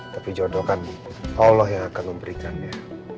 tapi jodohkan allah yang akan memberikannya